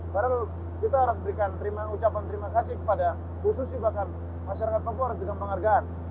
padahal kita harus berikan ucapan terima kasih kepada bu susi bahkan masyarakat papua harus juga menghargai